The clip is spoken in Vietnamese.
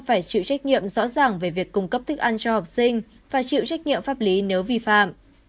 phải chịu trách nhiệm rõ ràng về việc cung cấp thức ăn cho học sinh và chịu trách nhiệm pháp lý nếu vi phạm